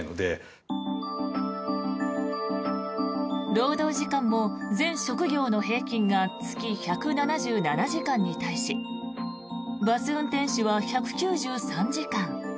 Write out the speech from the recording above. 労働時間も全職業の平均が月１７７時間に対しバス運転手は１９３時間。